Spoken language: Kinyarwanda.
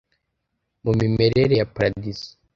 mu mimerere ya Paradizo